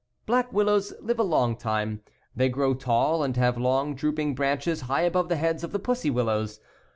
Black willows live a long time, they grow tall and have long drooping branches high above the heads of the pussy willows.